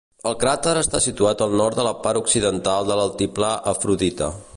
El cràter està situat al nord de la part occidental de l'altiplà Afrodita.